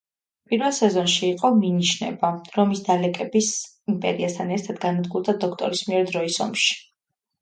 პირველ სეზონში იყო მინიშნება, რომ ის დალეკების იმპერიასთან ერთად განადგურდა დოქტორის მიერ დროის ომში.